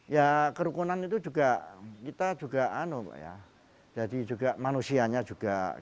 ya kerukunan itu juga kita juga jadi juga manusianya juga